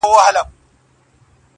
ډلي راغلې د افسرو درباریانو٫